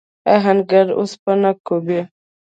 آهنګر اوسپنه کوبي.